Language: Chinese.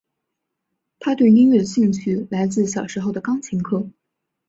她对音乐的兴趣来自小时候的钢琴课。